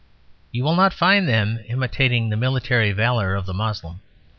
You will not find them imitating the military valour of the Moslem.